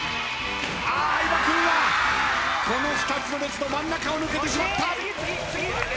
相葉君はこの２つの列の真ん中を抜けてしまった。